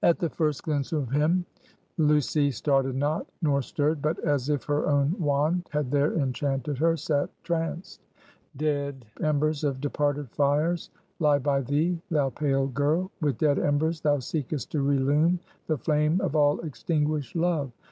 At the first glimpse of him, Lucy started not, nor stirred; but as if her own wand had there enchanted her, sat tranced. "Dead embers of departed fires lie by thee, thou pale girl; with dead embers thou seekest to relume the flame of all extinguished love!